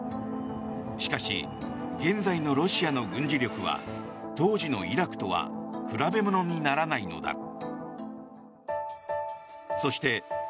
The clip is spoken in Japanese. しかし、現在のロシアの軍事力は当時のイラクとは比べ物にならないのだ。